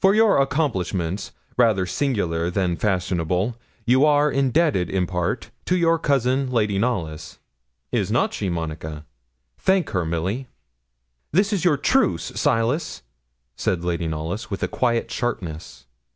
For your accomplishments rather singular than fashionable you are indebted, in part, to your cousin, Lady Knollys. Is not she, Monica? Thank her, Milly.' 'This is your truce, Silas,' said Lady Knollys, with a quiet sharpness.